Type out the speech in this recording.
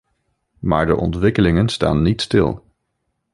Maar de ontwikkelingen staan niet stil.